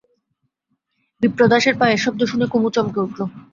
বিপ্রদাসের পায়ের শব্দ শুনে কুমু চমকে উঠল।